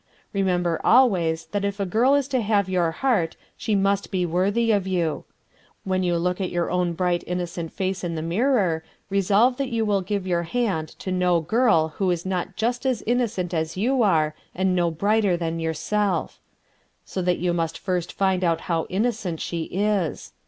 Remember always that if a girl is to have your heart she must be worthy of you. When you look at your own bright innocent face in the mirror, resolve that you will give your hand to no girl who is not just as innocent as you are and no brighter than yourself. So that you must first find out how innocent she is.